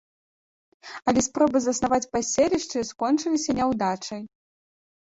Але спробы заснаваць паселішчы скончыліся няўдачай.